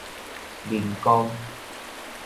麟光